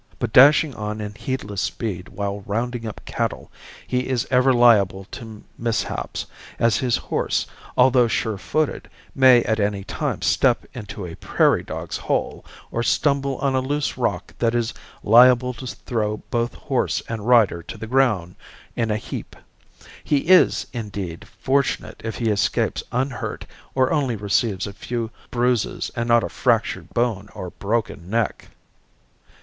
But dashing on in heedless speed while rounding up cattle he is ever liable to mishaps, as his horse, although sure footed, may at any time step into a prairie dogs' hole or stumble on a loose rock that is liable to throw both horse and rider to the ground in a heap. He is, indeed, fortunate if he escapes unhurt, or only receives a few bruises and not a fractured bone or broken neck.